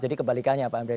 jadi kebalikannya pak hembree